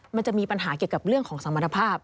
มันจะมีปัญหาเกี่ยวกับเรื่องของสมรรถภาพ